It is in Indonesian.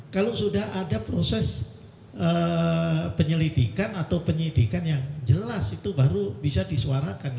kalau sudah ada proses penyelidikan atau penyidikan yang jelas itu baru bisa disuarakan